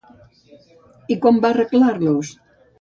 I com va arreglar-los?